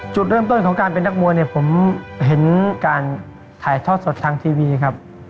จุดเริ่มต้นของการเป็นนักมวยเนี่ยผมเห็นการถ่ายทอดสดทางทีวีครับ